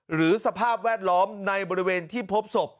สภาพแวดล้อมในบริเวณที่พบศพ